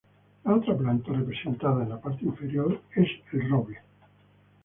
La otra planta representada en la parte inferior es el roble.